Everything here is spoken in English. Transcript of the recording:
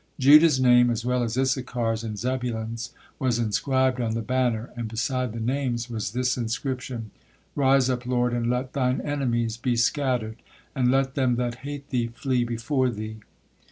Judah's name, as well as Issachar's and Zebulun's, was inscribed on the banner, and beside the names was this inscription: "Rise up, Lord, and let Thine enemies be scattered; and let them that hate Thee flee before Thee."